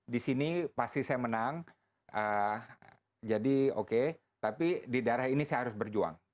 di sini pasti saya menang jadi oke tapi di daerah ini saya harus berjuang